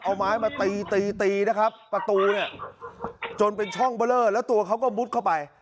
เอาไม้มาตีตีตีนะครับประตูเนี่ยจนเป็นช่องเบอร์เลอร์แล้วตัวเขาก็มุดเข้าไป